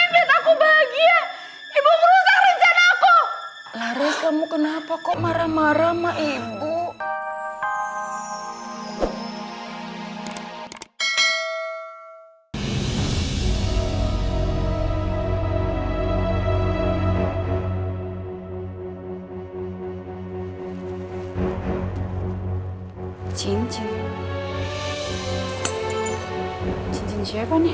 ibu merusak rencana aku lari kamu kenapa kok marah marah maibu cincin cincin siapa nih